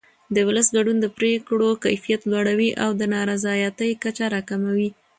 د ولس ګډون د پرېکړو کیفیت لوړوي او د نارضایتۍ کچه راکموي